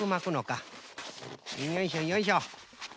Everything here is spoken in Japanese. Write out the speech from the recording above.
よいしょよいしょ。